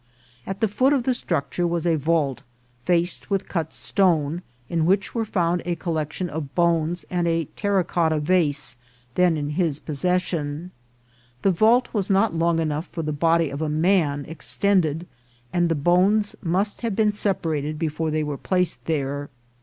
At the foot of the structure was a vault, faced with cut stone, in which were found a collection of bones and a terra cotta vase, then in his possession. The vault was not long enough for the body of a man ex tended, and the bones must have been separated before they were placed there.